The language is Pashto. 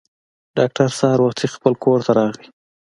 ډاکټر سهار وختي خپل کور ته راغی.